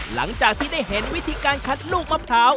หลังจากที่ได้เห็นวิธีการคัดลูกมะพร้าว